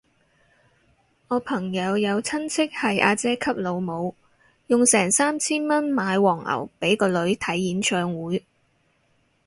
我朋友有親戚係阿姐級老母，用成三千蚊買黃牛俾個女睇演唱會